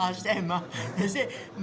mami kamu sebaiknya pergi ke ponsel